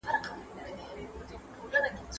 دا موبایل له هغه ګټور دی!!